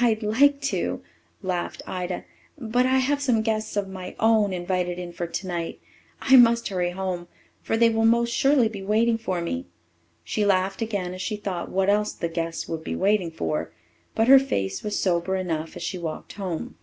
"I'd like to," laughed Ida, "but I have some guests of my own invited in for tonight. I must hurry home, for they will most surely be waiting for me." She laughed again as she thought what else the guests would be waiting for. But her face was sober enough as she walked home.